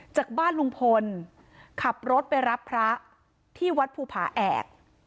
จากบ้านลุงพลขับรถไปรับพระที่วัดภูผาแอก